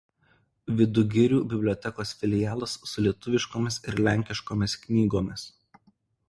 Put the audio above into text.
Vidugirių bibliotekos filialas su lietuviškomis ir lenkiškomis knygomis.